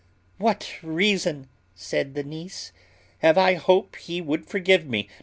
"What reason," said the niece, "have I to hope he would forgive me?